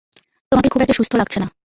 তোমাকে খুব একটা সুস্থ লাগছে না।